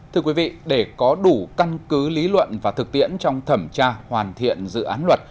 thưa quý vị để có đủ căn cứ lý luận và thực tiễn trong thẩm tra hoàn thiện dự án luật